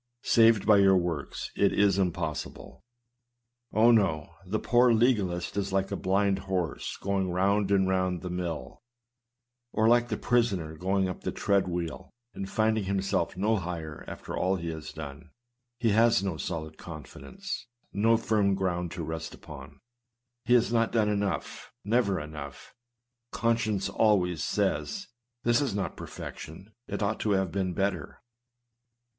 Saved by your works! It is impos sible ! Oh ! no, the poor legalist is l&e a blind horse going round and round the mill, or like the prisoner going up the treadwheel, and finding himself no higher after all he has done ; he has no solid confidence, no firm ground to rest upon. He has not done enough — "never enough;" conscience always says, "this is not perfection ; it ought to have been better."